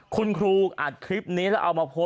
คุณครูอัดคลิปนี้แล้วเอามาโพสต์